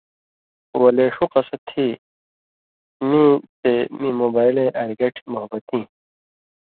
ولے ݜُو قَصہ تھی مِیں تے مِیں موبائلَیں ارگٹیۡ موحبتیں،